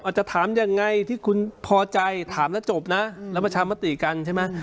จะถามยังไงที่คุณพอใจถามแล้วจบนะแล้วประชามติกันใช่ไหม